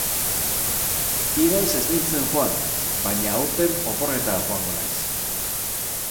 Iaz ez nintzen joan, baina aurten oporretara joango naiz.